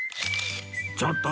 ちょっと！